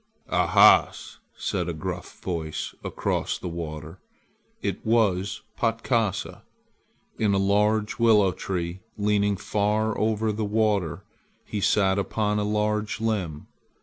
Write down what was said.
"Ahas!" said a gruff voice across the water. It was Patkasa. In a large willow tree leaning far over the water he sat upon a large limb.